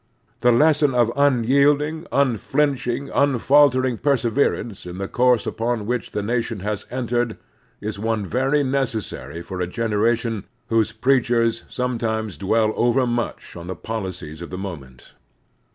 The lesson of imyielding, unflinching, imfaltering perseverance in the course upon which the nation has entered is one very necessary for a generation whose preachers some times dwell overmuch on the policies of the moment.